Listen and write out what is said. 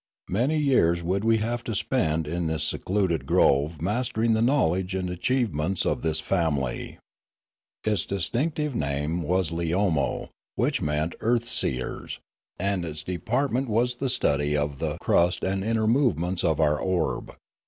Many years would we have to spend in this secluded grove mastering the knowledge and achievements of this family. Its distinctive name was Leomo, which meant earth seers, and its department was the study of the Fialume 77 crust and inner movements of our orb.